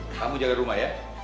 kamu jaga rumah ya